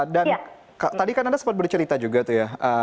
dan tadi kan anda sempat bercerita juga tuh ya